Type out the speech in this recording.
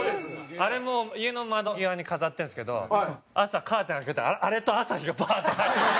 あれも家の窓際に飾ってるんですけど朝カーテン開けたらあれと朝日がバッて入ってくる。